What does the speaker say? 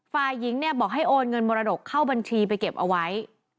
ฝ่ายหญิงเนี่ยบอกให้โอนเงินมรดกเข้าบัญชีไปเก็บเอาไว้